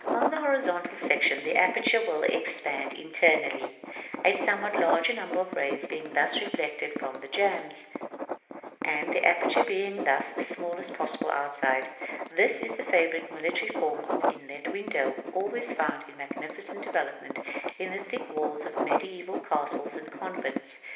§ XIV. On the horizontal section the aperture will expand internally, a somewhat larger number of rays being thus reflected from the jambs; and the aperture being thus the smallest possible outside, this is the favorite military form of inlet window, always found in magnificent development in the thick walls of mediæval castles and convents.